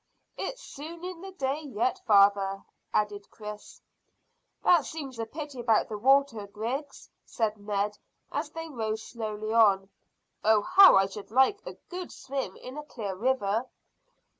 "It's soon in the day yet, father," added Chris. "That seems a pity about the water, Griggs," said Ned, as they rose slowly on. "Oh how I should like a good swim in a clear river!"